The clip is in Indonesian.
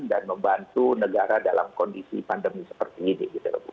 dan membantu negara dalam kondisi pandemi seperti ini